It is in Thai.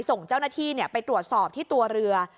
ส่งเจ้าหน้าที่ไปตรวจสอบที่ตัวเรือ